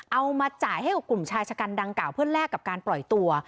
เอามาจ่ายให้กับกลุ่มชายชะกันดังกล่าวเพื่อแลกกับการปล่อยตัว